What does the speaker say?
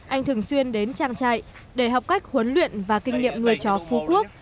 anh thường xuyên đến trang trại để học cách huấn luyện và kinh nghiệm nuôi chó phú quốc